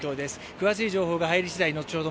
詳しい情報が入りしだい、後ほど